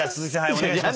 お願いします。